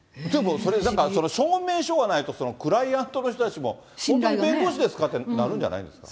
それ、なんか、その証明書がないと、クライアントの人たちも、本当に弁護士ですかって、なるんじゃないですか？